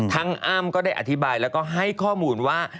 อ้ำก็ได้อธิบายแล้วก็ให้ข้อมูลว่า